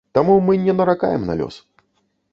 Таму мы не наракаем на лёс.